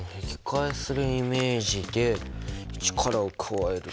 開するイメージで力を加える。